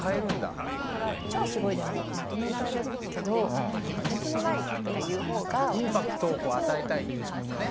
そうだから「超すごい」でもまとめられるけど「とてつもない」とか言う方が。インパクトを与えたいという事ね。